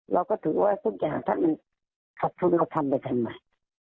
เราก็ถือว่าสุดท่านถ้ามันมีทักทุนเราทำไปทำใหม่